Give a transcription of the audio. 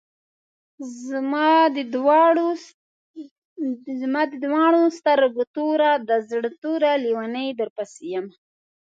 زما د دواڼو سترګو توره، د زړۀ ټوره لېونۍ درپسې يمه